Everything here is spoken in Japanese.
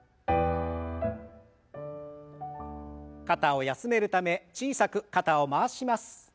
肩を休めるため小さく肩を回します。